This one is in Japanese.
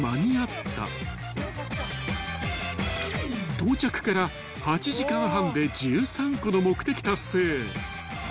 ［到着から８時間半で１３個の目的達成］